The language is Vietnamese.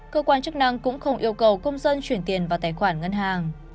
cơ quan chức năng cũng không yêu cầu công dân chuyển tiền vào tài khoản ngân hàng